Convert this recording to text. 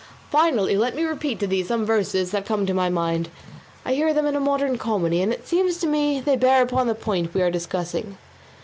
Finally let me repeat to thee some verses that come to my mind; I heard them in a modern comedy, and it seems to me they bear upon the point we are discussing.